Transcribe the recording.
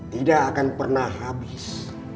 tidak akan pernah habis